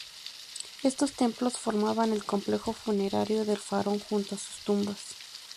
Estos templos formaban el complejo funerario del faraón junto a sus tumbas.